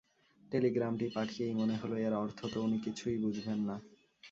টেলিগ্রামটি পাঠিয়েই মনে হলো, এর অর্থ তো উনি কিছুই বুঝবেন না।